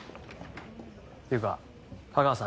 っていうか架川さん